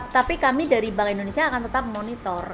tapi kami dari bank indonesia akan tetap monitor